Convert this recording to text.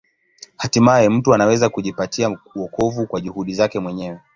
Hatimaye mtu anaweza kujipatia wokovu kwa juhudi zake mwenyewe.